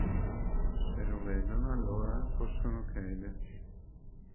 Se lo vedono, allora possono crederci.